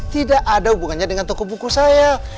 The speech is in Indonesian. tidak ada hubungannya dengan toko buku saya